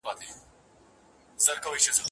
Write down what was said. پرېږدی په اور يې اوربل مه ورانوی